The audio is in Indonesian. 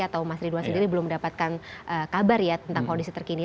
atau mas ridwan sendiri belum mendapatkan kabar ya tentang kondisi terkini